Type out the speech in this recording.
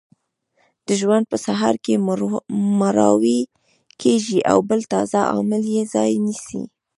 د ژوند په سهار کې مړاوې کیږي او بل تازه عامل یې ځای نیسي.